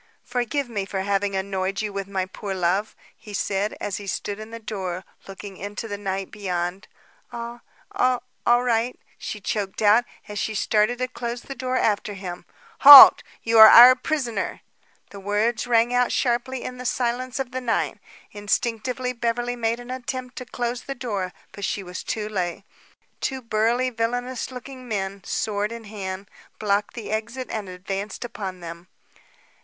"Forgive me for having annoyed you with my poor love," he said, as he stood in the door, looking into the night beyond. "All all right," she choked out as she started to close the door after him. "Halt! You are our prisoner!" The words rang out sharply in the silence of the night. Instinctively, Beverly made an attempt to close the door; but she was too late. Two burly, villainous looking men, sword in hand, blocked the exit and advanced upon them.